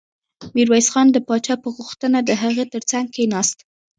ميرويس خان د پاچا په غوښتنه د هغه تر څنګ کېناست.